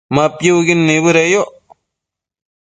Ma piucquid nibëdeyoc